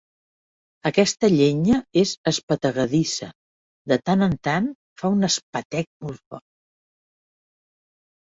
Aquesta llenya és espetegadissa: de tant en tant fa un espetec molt fort.